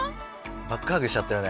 バックハグしちゃってるね。